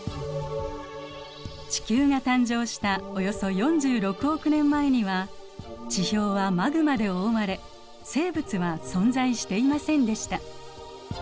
地球が誕生したおよそ４６億年前には地表はマグマで覆われ生物は存在していませんでした。